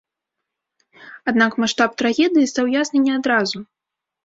Аднак маштаб трагедыі стаў ясны не адразу.